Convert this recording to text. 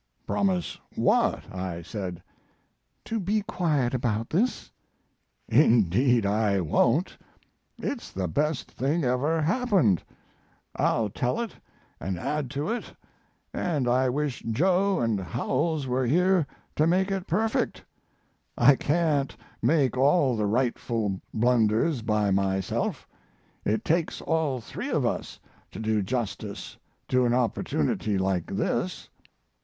"Promise what?" I said. "To be quiet about this." "Indeed I won't; it's the best thing ever happened. I'll tell it and add to it & I wish Joe & Howells were here to make it perfect; I can't make all the rightful blunders by myself it takes all three of us to do justice to an opportunity like this.